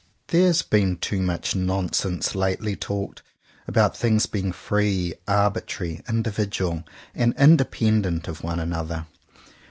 There has been too much nonsense lately talked, about things being free, arbitrary, individual, and independent of one another.